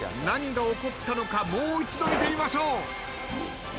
何が起こったのかもう一度見てみましょう。